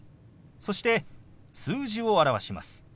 そして数字を表します。